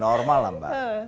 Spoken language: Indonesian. normal lah mbak